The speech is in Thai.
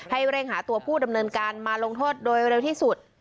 ให้เร่งหาตัวผู้ดำเนินการมาลงโทษโดยเร็วที่สุด